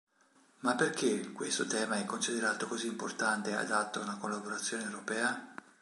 Ma perché questo tema è considerato così importante e adatto a una collaborazione europea?